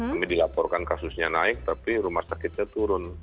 kami dilaporkan kasusnya naik tapi rumah sakitnya turun